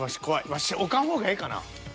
ワシ置かん方がええかな。